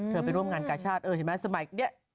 ไปร่วมงานกาชาติเออเห็นไหมสมัยนี้